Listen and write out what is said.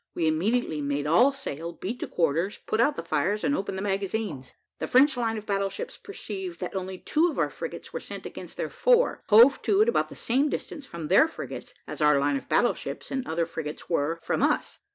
We immediately made all sail, beat to quarters, put out the fires, and opened the magazines. The French line of battle ships perceiving that only two of our frigates were sent against their four, hove to at about the same distance from their frigates, as our line of battle ships and other frigates were from us.